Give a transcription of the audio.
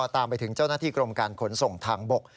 ตามไปถึงเจ้าหน้าที่กรมการขนส่งทางบก